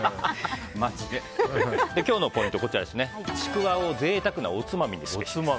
今日のポイントは、ちくわをぜいたくなおつまみにすべし。